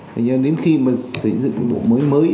thế nhưng đến khi xây dựng bộ mới mới